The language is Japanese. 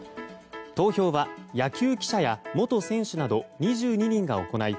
投票は、野球記者や元選手など２２人が行い